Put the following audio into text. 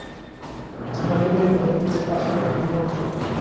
আমার কেবলই ভয় হইতেছে, পাছে কোনো বিঘ্ন ঘটে।